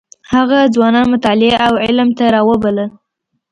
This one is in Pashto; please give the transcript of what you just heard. هغه ځوانان مطالعې او علم ته راوبلل.